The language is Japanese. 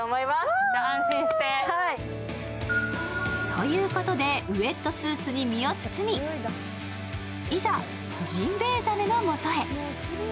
ということでウェットスーツに身を包み、いざジンベエザメのもとへ。